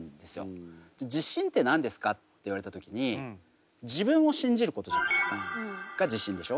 自信って何ですか？って言われた時に自分を信じることじゃないですか。が自信でしょ？